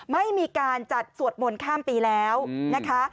ไม่มีการจัดสวดมนต์ข้ามปีแล้วนะคะ